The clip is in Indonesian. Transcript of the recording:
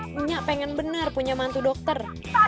minyak pengen benar punya mantu dokter